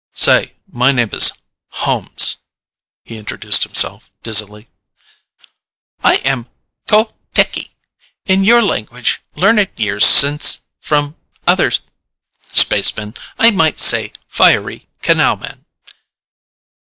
"Say, my name is Holmes," he introduced himself dizzily. "I am Kho Theki. In your language, learned years since from other spacemen, I might say 'Fiery Canalman.'"